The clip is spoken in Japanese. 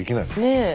ねえ。